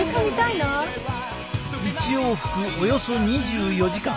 １往復およそ２４時間。